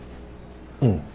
うん。